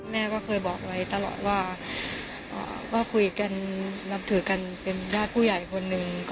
แม่ก็เคยบอกไว้ตลอดว่าก็คุยกันนับถือกันเป็นญาติผู้ใหญ่คนหนึ่ง